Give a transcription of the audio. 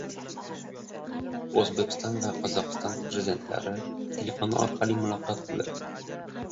O‘zbekiston va Qozog‘iston Prezidentlari telefon orqali muloqot qildilar